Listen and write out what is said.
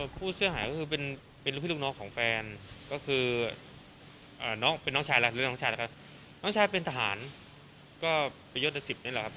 พูดเสียหายก็คือเป็นพี่ลูกน้องของแฟนก็คือน้องชายเป็นทหารก็ไปยกตั้ง๑๐นี่แหละครับ